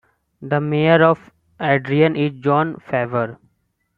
The mayor of Adrian is John Faber.